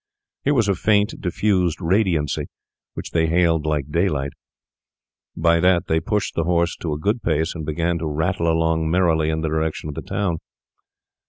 Here was a faint, diffused radiancy, which they hailed like daylight; by that they pushed the horse to a good pace and began to rattle along merrily in the direction of the town.